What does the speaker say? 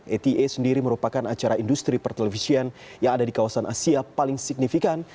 eta sendiri merupakan acara industri pertelevisian yang ada di kawasan asia paling signifikan